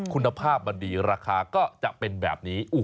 คุณภาพมันดีราคาก็จะเป็นแบบนี้